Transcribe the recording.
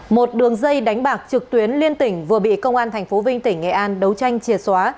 một đường dây đánh bạc trực tuyến liên tỉnh vừa bị công an tp vinh tỉnh nghệ an đấu tranh chìa xóa